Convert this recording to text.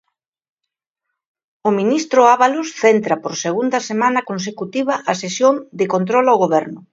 O ministro Ábalos centra por segunda semana consecutiva a sesión de control ao Goberno.